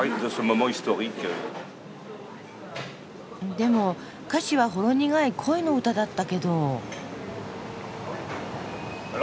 でも歌詞はほろ苦い恋の歌だったけど。